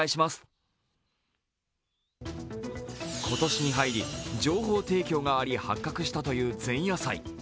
今年に入り情報提供があり発覚したという前夜祭。